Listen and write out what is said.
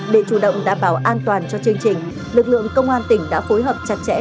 để chủ động đảm bảo an toàn cho chương trình lực lượng công an tỉnh đã phối hợp chặt chẽ